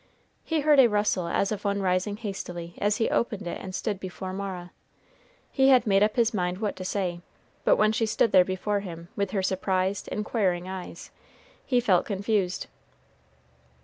He heard a rustle as of one rising hastily as he opened it and stood before Mara. He had made up his mind what to say; but when she stood there before him, with her surprised, inquiring eyes, he felt confused.